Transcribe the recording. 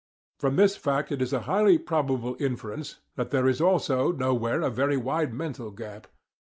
From this fact it is a highly probable inference that there is also nowhere a very wide mental gap.